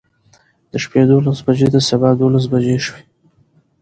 د شپې دولس بجې د سبا دولس بجې شوې.